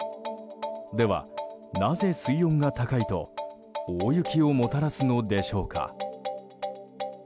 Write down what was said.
では、なぜ水温が高いと大雪をもたらすのでしょうか。